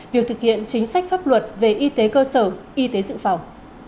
việc thực hiện chính sách pháp luật về y tế cơ sở y tế dự phòng